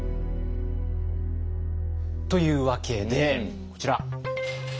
というわけでこちら。